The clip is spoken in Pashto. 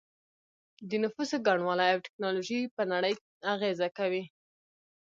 د نفوسو ګڼوالی او ټیکنالوژي په نړۍ اغیزه کوي